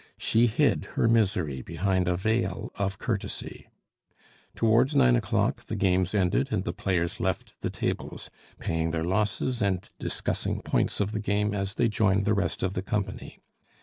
She hid her misery behind a veil of courtesy. Towards nine o'clock the games ended and the players left the tables, paying their losses and discussing points of the game as they joined the rest of the company.